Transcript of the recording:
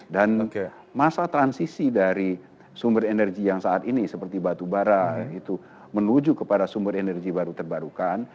dan masa transisi dari sumber energi yang saat ini seperti batu bara menuju kepada sumber energi baru terbarukan